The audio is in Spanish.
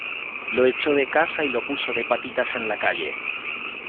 Lo echó de casa y lo puso de patitas en la calle